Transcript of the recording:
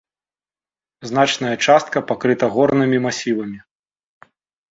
Значная частка пакрыта горнымі масівамі.